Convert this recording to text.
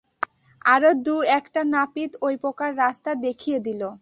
আরও দু-একটা নাপিত ঐ প্রকার রাস্তা দেখিয়ে দিলে।